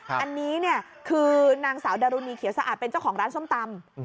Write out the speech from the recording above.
อันนี้เนี่ยคือนางสาวดารุณีเขียวสะอาดเป็นเจ้าของร้านส้มตำ